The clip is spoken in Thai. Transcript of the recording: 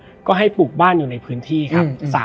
และวันนี้แขกรับเชิญที่จะมาเชิญที่เรา